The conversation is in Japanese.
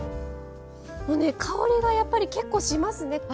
香りがやっぱり結構しますね。